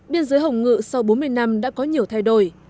biên giới hồng ngự sau bốn mươi năm đã có nhiều thay đổi